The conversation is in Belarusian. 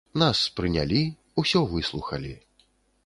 Нас прынялі, усё выслухалі.